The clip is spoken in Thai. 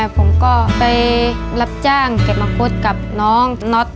ผมก็ไปรับจ้างเก็บมังคุดกับน้องน็อต